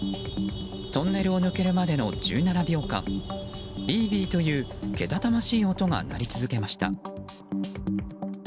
トンネルを抜けるまでの１７秒間ビービーというけたたましい音が鳴り続けました。